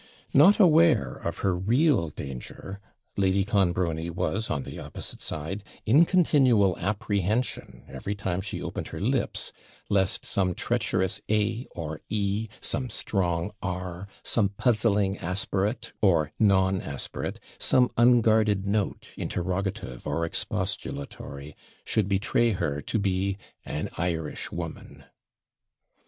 Not aware of her real danger, Lady Clonbrony was, on the opposite side, in continual apprehension, every time she opened her lips, lest some treacherous A or E, some strong R, some puzzling aspirate, or non aspirate, some unguarded note, interrogative or expostulatory, should betray her to be an Irishwoman.